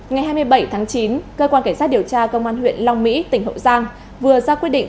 ngày hai mươi bảy tháng chín cơ quan cảnh sát điều tra công an huyện long mỹ tỉnh hậu giang vừa ra quyết định